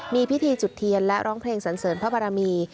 มีพิธีจุดเทียนและร้องเพลงสันเสริญพระบารมี